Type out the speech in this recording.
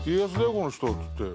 この人っつって。